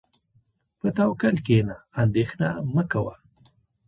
په توکل کښېنه، اندېښنه مه کوه.